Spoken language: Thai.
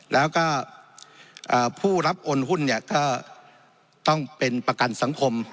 แล้วก็ผู้รับโอนหุ้นเนี่ยก็ต้องเป็นประกันสังคม